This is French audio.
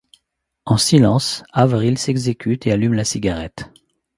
En silence, Averill s'exécute et allume la cigarette.